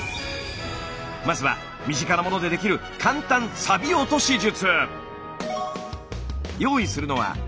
まずは身近な物でできる簡単サビ落とし術。